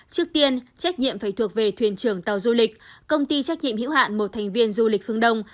trước tiên trách nhiệm phải thuộc về thuyền trưởng tàu du lịch công ty trách nhiệm hữu hạn một thành viên du lịch phương đông